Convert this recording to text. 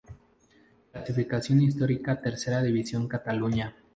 Clasificación Histórica Tercera División Cataluña